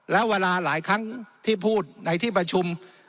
แล้วเวลาหลายครั้งที่พูดในที่ประชุม